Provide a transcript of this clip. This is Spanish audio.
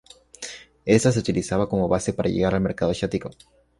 Esta se utilizaba como base para llegar al mercado asiático.